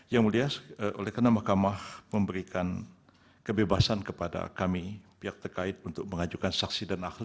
yang mulia oleh karena mahkamah memberikan kebebasan kepada kami pihak terkait untuk mengajukan saksi dan ahli